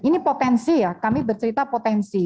ini potensi ya kami bercerita potensi